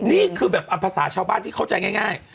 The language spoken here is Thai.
นี่คือแบบภาษาชาวบ้านที่เข้าใจง่าย